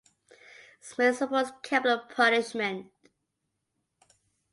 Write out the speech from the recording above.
Smith supports capital punishment.